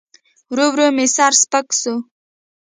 ورو ورو مې سر سپک سو.